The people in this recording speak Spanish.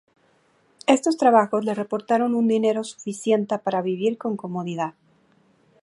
Estos trabajos le reportaron un dinero suficiente para vivir con comodidad.